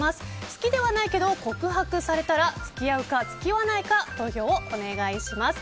好きではないけど告白されたら付き合うか付き合わないか投票をお願いします。